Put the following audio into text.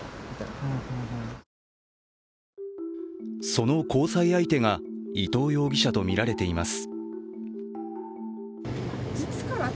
その交際相手が伊藤容疑者とみられています。